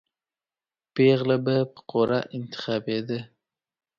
پېغله به په قرعه انتخابېده.